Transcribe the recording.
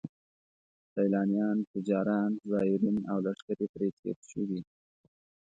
سیلانیان، تجاران، زایرین او لښکرې پرې تېر شوي.